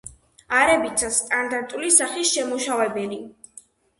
არებიცას სტანდარტული სახის შემმუშავებელი.